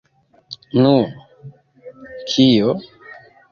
Nu... kio?